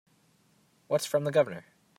What's from the Governor?